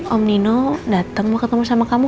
om nino datang mau ketemu sama kamu